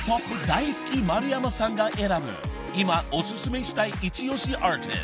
大好き丸山さんが選ぶ今お薦めしたいイチオシアーティスト］